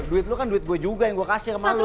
duit lu kan duit gua juga yang gua kasih kemaru